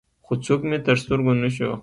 خو څوک مې تر سترګو نه شو.